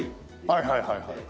はいはいはいはい。